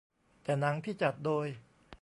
แต่หนังที่จัดโดย